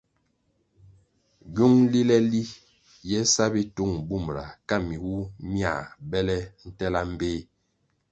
Gywúng lile li ye sa bitūng bumra ka miwuh mia bele ntela mbpéh.